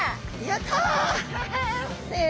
やった！